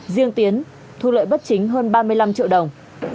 riêng tiến thu lợi bất chính hơn ba mươi năm triệu đồng